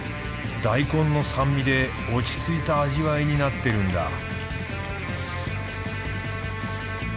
大根の酸味で落ち着いた味わいになってるんだ